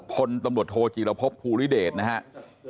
พลตำรวจโทจีรพบภูริเดชนะครับ